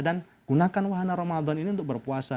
dan gunakan wahana ramadan ini untuk berpuasa